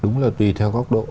đúng là tùy theo góc độ